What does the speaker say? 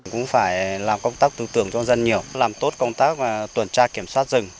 cũng phải làm công tác tư tưởng cho dân nhiều làm tốt công tác tuần tra kiểm soát rừng